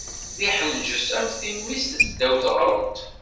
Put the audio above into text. D iḥenges am timmist seddaw teɣṛuḍt.